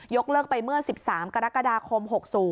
เลิกไปเมื่อ๑๓กรกฎาคม๖๐